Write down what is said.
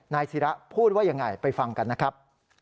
ศิระพูดว่ายังไงไปฟังกันนะครับ